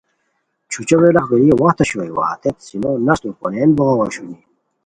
چھوچو ویلاغبیلو وخت اوشوئے وا ہتیت سینو نستو پونین بوغاؤ اوشونی